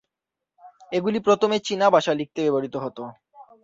এগুলি প্রথমে চীনা ভাষা লিখতে ব্যবহৃত হত।